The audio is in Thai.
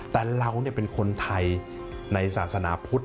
แต่เราเป็นคนไทยในศาสนาพุทธ